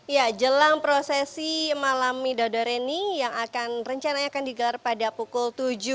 ya jelang prosesi malam mido dareni yang akan rencana yang akan digelar pada pukul tujuh